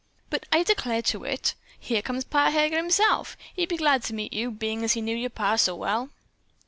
"But I declare to it! Here comes Pa Heger himself. He'll be glad to meet you, bein' as he knew your pa so well."